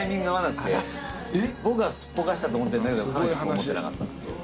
僕がすっぽかしたと思ってんだけど彼女そう思ってなかった。